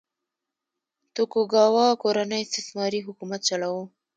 توکوګاوا کورنۍ استثماري حکومت چلاوه.